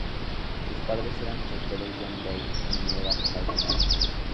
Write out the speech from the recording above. Sus padres eran los actores John Tate y Neva Carr Glyn.